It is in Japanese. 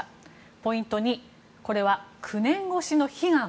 ポイント２これは９年越しの悲願。